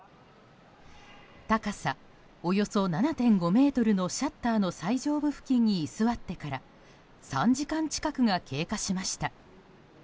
高さおよそ７．５ｍのシャッターの最上部付近に居座ってから３時間近くが経過しました。